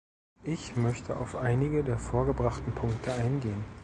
Ich möchte auf einige der vorgebrachten Punkte eingehen.